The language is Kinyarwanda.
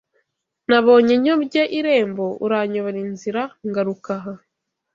Nabonye nyobye irembo uranyobora inzira ngaruka aha